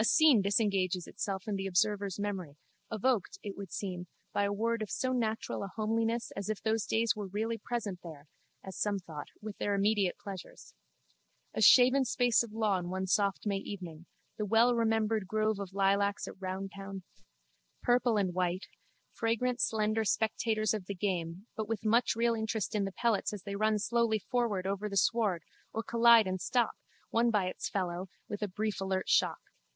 A scene disengages itself in the observer's memory, evoked, it would seem, by a word of so natural a homeliness as if those days were really present there (as some thought) with their immediate pleasures. A shaven space of lawn one soft May evening, the wellremembered grove of lilacs at Roundtown, purple and white, fragrant slender spectators of the game but with much real interest in the pellets as they run slowly forward over the sward or collide and stop, one by its fellow, with a brief alert shock.